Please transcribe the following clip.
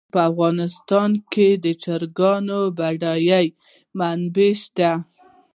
په افغانستان کې د چرګانو بډایه منابع شته.